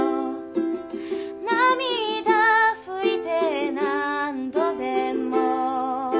「涙拭いて何度でも」